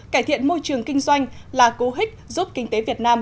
cải thiện môi trường kinh doanh là cố hích giúp kinh tế việt nam